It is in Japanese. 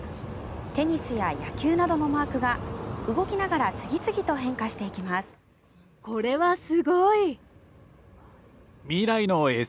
テニスや野球などのマークが動きながら次々と変化していきます。